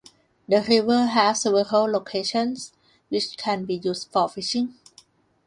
The river has several locations which can be used for fishing.